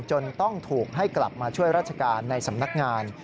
จนต้องถูกให้กลับมาช่วยราชการในสำนักงาน